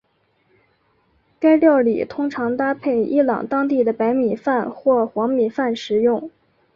该料理通常搭配伊朗当地的白米饭或黄米饭食用。